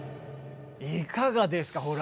いかがですかほら。